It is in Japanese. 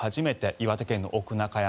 岩手県の奥中山